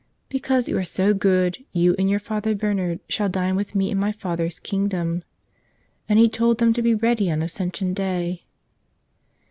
"Because you are so good, you and your Father Bernard shall dine with Me in My Father's kingdom." And He told them to be ready on Ascension Day.